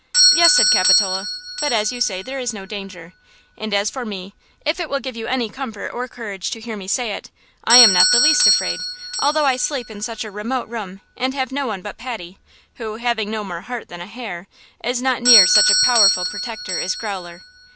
"Yes," said Capitola; "but, as you say, there is no danger; and as for me, if it will give you any comfort or courage to hear me say it, I am not the least afraid, although I sleep in such a remote room and have no one but Patty, who, having no more heart that a hare, is not near such a powerful protector as Growler."